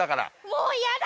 もう嫌だ！